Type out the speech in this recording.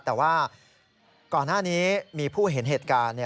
แต่ว่าก่อนหน้านี้มีผู้เห็นเหตุการณ์